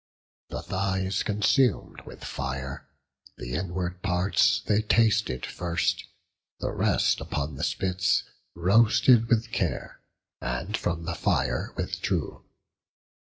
The thighs consum'd with fire, the inward parts They tasted first; the rest upon the spits Roasted with care, and from the fire withdrew.